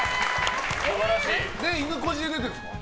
いぬこじで出てるんですか？